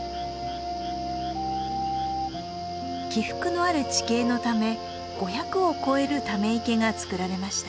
起伏のある地形のため５００を超えるため池が作られました。